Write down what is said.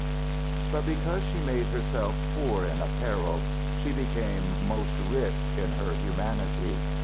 But because she made herself poor in apparel, she became most rich in her humanity.